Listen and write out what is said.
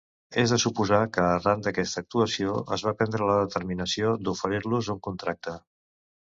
És de suposar que arran d'aquesta actuació es va prendre la determinació d'oferir-los un contracte.